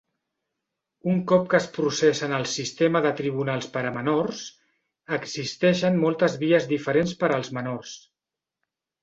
Un cop que es processa en el sistema de tribunals per a menors, existeixen moltes vies diferents per als menors.